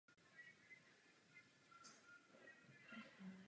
Nicméně se mohou objevit určité nesrovnalosti.